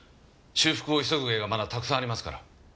修復を急ぐ絵がまだたくさんありますから。